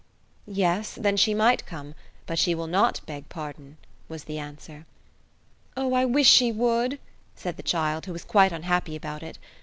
"Yes, then she might come; but she will not beg pardon," was the answer. "Oh, I wish she would!" said the child, who was quite unhappy about it.